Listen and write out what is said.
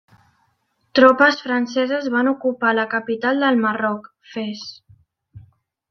Tropes franceses van ocupar la capital del Marroc, Fes.